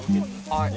はい。